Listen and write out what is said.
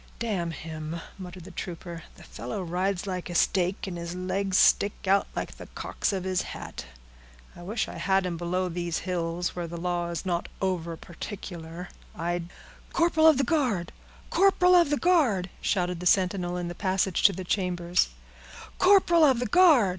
"Damn him," muttered the trooper. "The fellow rides like a stake, and his legs stick out like the cocks of his hat. I wish I had him below these hills, where the law is not over particular, I'd——" "Corporal of the guard!—corporal of the guard!" shouted the sentinel in the passage to the chambers, "corporal of the guard!